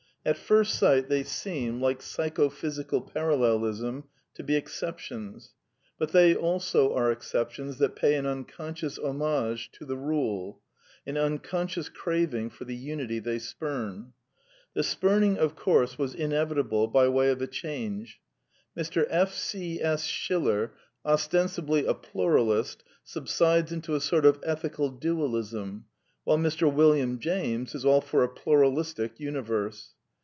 At first sight they seem, like Psychophysical Parallelism, to be exceptions; but they also are exceptions that pay an un conscious homage to the rule, an unconscious craving for the unity they spurn. The spuming, of course, was inevitable, by way of a change. Mr. F. C. S. Schiller, ostensibly a Pluralist, subsides into a sort of ethical Dualism ;^^ while Mr. Wil liam James is all for a Pluralistic Universe.